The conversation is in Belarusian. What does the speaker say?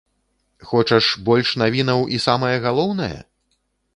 Хочаш больш навінаў і самае галоўнае?